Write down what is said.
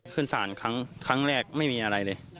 ขึ้นศาลครั้งแรกไม่มีอะไรเลย